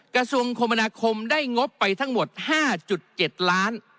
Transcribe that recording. กระทรวงคมนาคมได้งบไปทั้งหมด๕๗ล้าน